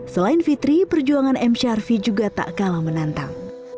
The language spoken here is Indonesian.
selain fitri perjuangan mc arfi juga tak kalah menantang